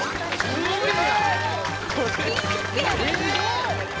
すげえ！